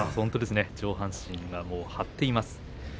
上半身が張っています。